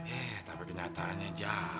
eh tapi kenyataannya jauh ya dari harapan